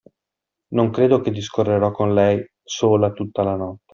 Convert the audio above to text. Non credo che discorrerò con lei sola tutta la notte!